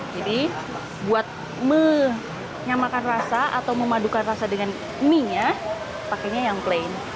jadi buat menyamakan rasa atau memadukan rasa dengan mienya pakainya yang plain